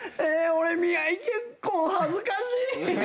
俺見合い結婚⁉恥ずかしい！